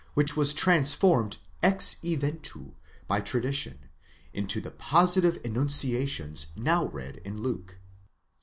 183 which was transformed ex eventu by tradition, into the positive enunciations now read in Luke®.